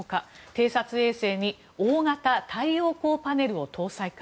偵察衛星に大型太陽光パネルを搭載か。